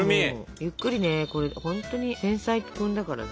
ゆっくりねこれほんとに繊細君だからさ。